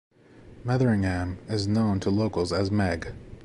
Metheringham is known to locals as "Meg".